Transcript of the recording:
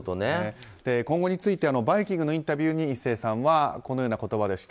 今後について「バイキング」のインタビューに壱成さんはこのような言葉でした。